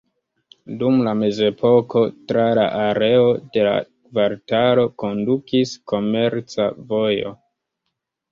Dum la mezepoko tra la areo de la kvartalo kondukis komerca vojo.